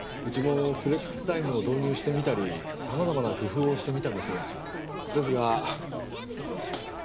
うちもフレックスタイムを導入してみたり様々な工夫をしてみたんです。ですが。